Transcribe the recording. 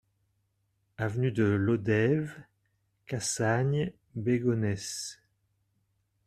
Avenue de Lodève, Cassagnes-Bégonhès